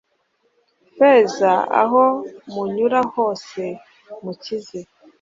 feza, aho munyura hose mukize